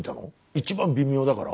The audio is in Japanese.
一番微妙だから？